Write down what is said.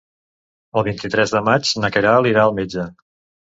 El vint-i-tres de maig na Queralt irà al metge.